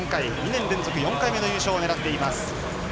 ２年連続４回目の優勝を狙っています。